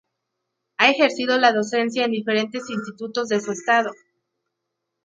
Ha ejercido la docencia en diferentes institutos de su Edo.